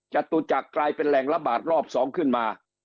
จตุจักรกลายเป็นแหล่งระบาดรอบ๒ขึ้นมา